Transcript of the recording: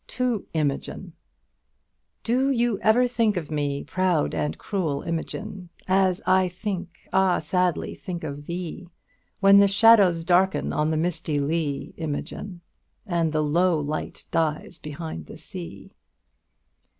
'To Imogen:' 'Do you ever think of me, proud and cruel Imogen, As I think, ah! sadly think, of thee When the shadows darken on the misty lea, Imogen, And the low light dies behind the sea?'